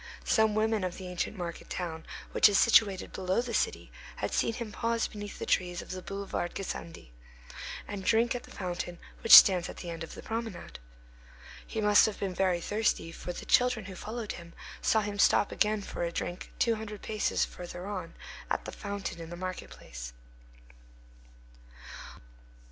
Some women of the ancient market town which is situated below the city had seen him pause beneath the trees of the boulevard Gassendi, and drink at the fountain which stands at the end of the promenade. He must have been very thirsty: for the children who followed him saw him stop again for a drink, two hundred paces further on, at the fountain in the market place.